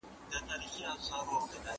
په پښتو ژبه کي د علمي اثارو لیکل اړین دي.